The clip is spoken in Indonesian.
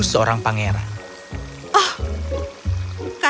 sekarang dengarkan ibu punya kejutan lain untukmu